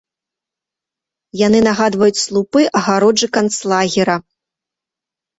Яны нагадваюць слупы агароджы канцлагера.